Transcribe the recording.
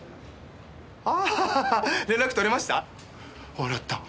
笑った。